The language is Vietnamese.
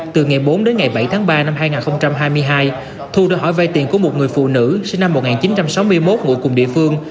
từ ngày bốn đến ngày bảy tháng ba năm hai nghìn hai mươi hai thu đã hỏi vay tiền của một người phụ nữ sinh năm một nghìn chín trăm sáu mươi một ngụ cùng địa phương